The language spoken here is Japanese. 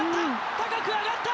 高く上がった！